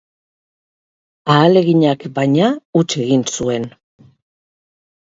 Ahaleginak, baina, huts egin zuen.